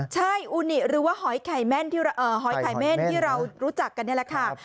ใช่อูนิหรือว่าหอยหอยไข่เม่นที่เรารู้จักกันนี่แหละค่ะ